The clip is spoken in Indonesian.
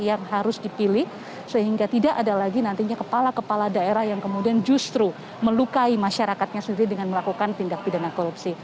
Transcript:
yang harus dipilih sehingga tidak ada lagi nantinya kepala kepala daerah yang kemudian justru melukai masyarakatnya sendiri dengan melakukan tindak pidana korupsi